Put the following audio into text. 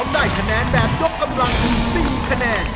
ได้คะแนนแบบยกกำลังถึง๔คะแนน